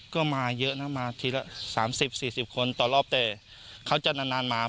ก็มาเยอะน่ะมาทีละสามสิบสี่สิบคนต่อรอบแต่เขาจะนานนานมา